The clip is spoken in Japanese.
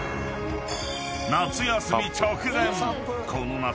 ［夏休み直前この夏